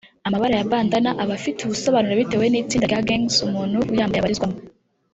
Amabara ya Bandana aba afite ubusobanuro bitewe n’itsinda rya “Gangs” umuntu uyambaye abarizwamo